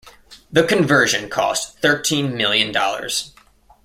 The conversion cost thirteen million dollars.